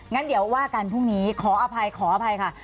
งั้นเดี๋ยวว่ากันพรุ่งนี้ขออภัยขออภัยค่ะ